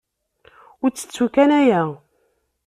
Ur ttettu kan aya.